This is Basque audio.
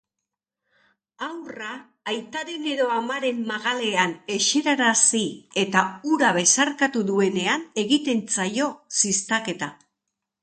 Haurra aitaren edo amaren magalean eserarazi eta hura besarkatu duenean egiten zaio ziztaketa.